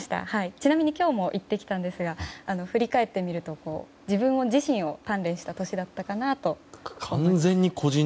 ちなみに今日も行ってきたんですが振り返ってみると自分自身を鍛錬した年だったかなと思います。